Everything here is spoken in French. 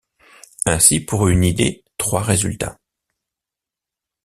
Ainsi pour une idée trois résultats.